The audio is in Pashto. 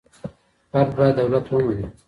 فرد بايد دولت ومني.